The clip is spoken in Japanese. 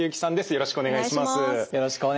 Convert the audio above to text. よろしくお願いします。